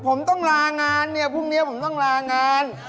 ผมต้องลางานเนี่ยพรุ่งนี้ผมต้องลางาน